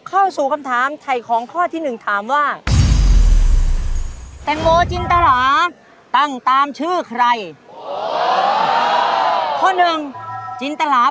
เขาแค่ร้องเทงหรือเปล่า